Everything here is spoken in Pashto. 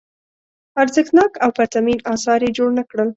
ارزښتناک او پرتمین اثار یې جوړ نه کړل.